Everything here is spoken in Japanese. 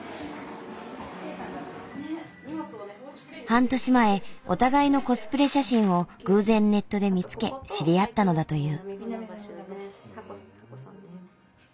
半年前お互いのコスプレ写真を偶然ネットで見つけ知り合ったのだという。